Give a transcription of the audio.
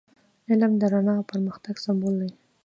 علم د رڼا او پرمختګ سمبول دی.